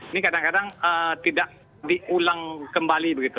ini kadang kadang tidak diulang kembali begitu